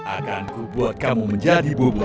akanku buat kamu menjadi bubur